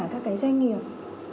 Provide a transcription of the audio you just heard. các cái doanh nghiệp